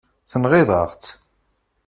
Tenɣiḍ-aɣ-tt.